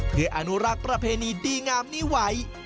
เพื่ออนุรักษ์ประเพณีดีงามนี้ไว้